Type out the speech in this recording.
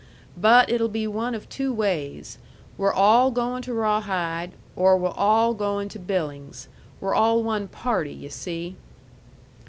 But it'll be one of two ways, we're all goin' to Rawhide, or we're all goin' to Billings. We're all one party, yu' see."